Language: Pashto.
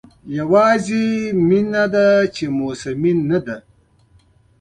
یوازې مینه ده چې موسمي نه ده.